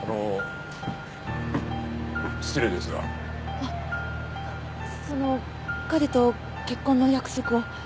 あっその彼と結婚の約束を。